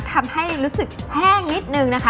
ทำให้รู้สึกแห้งนิดนึงนะคะ